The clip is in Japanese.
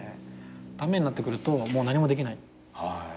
駄目になってくるともう何もできない。